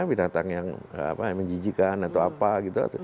binatang yang apa yang menjijikan atau apa gitu